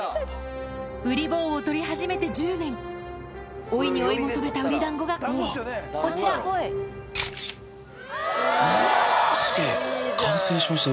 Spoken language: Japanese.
ウリ坊を撮り始めて１０年追いに追い求めたウリ団子がこちらうわすげぇ完成しました